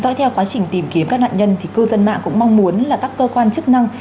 do theo quá trình tìm kiếm các nạn nhân cư dân mạng cũng mong muốn các cơ quan chức năng